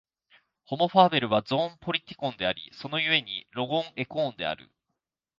ホモ・ファーベルはゾーン・ポリティコンであり、その故にまたロゴン・エコーンである。